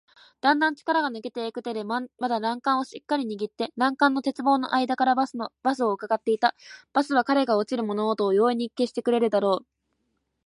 だんだん力が抜けていく手でまだ欄干をしっかりにぎって、欄干の鉄棒のあいだからバスをうかがっていた。バスは彼が落ちる物音を容易に消してくれるだろう。